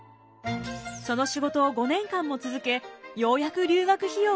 その仕事を５年間も続けようやく留学費用を貯めました。